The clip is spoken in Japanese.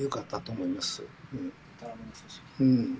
うん。